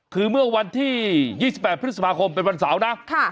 คือเมื่อวันที่๒๘พฤษภาคมเป็นวันเสาร์นะ